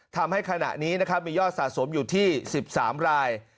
ทำให้ขณะนี้นะครับมียอดสะสมอยู่ที่๑๓ราย